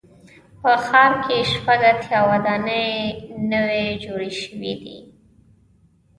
په ښار کې شپږ اتیا ودانۍ نوي جوړې شوې دي.